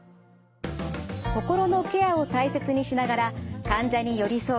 心のケアを大切にしながら患者に寄り添う